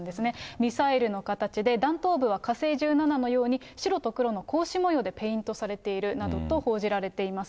ミサイルの形で弾頭部は火星１７のように白と黒のこうし模様でペイントされているなどと報じられています。